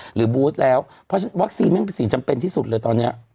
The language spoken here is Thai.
หรือบูธแล้วเพราะวักซีนมันก็เป็นสีจำเป็นที่สุดเลยตอนเน